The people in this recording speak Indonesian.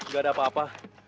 gak ada apa apa